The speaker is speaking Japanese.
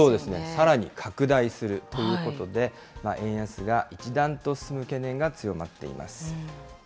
さらに拡大するということで、円安が一段と進む懸念が強まっています。